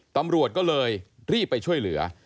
ตำรวจก็เลยรีบไปช่วยเหลือ